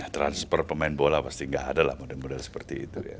transfer pemain bola pasti nggak ada lah modal modal seperti itu